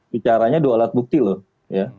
bicaranya dua alat bukti loh ya